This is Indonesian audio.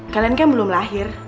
kalian kan belum lahir